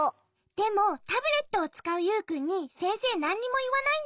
でもタブレットをつかうユウくんにせんせいなんにもいわないんだよね。